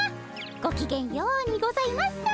ごきげんようにございます。